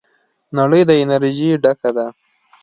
نړۍ د انرژۍ ډکه ده.